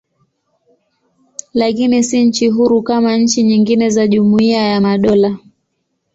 Lakini si nchi huru kama nchi nyingine za Jumuiya ya Madola.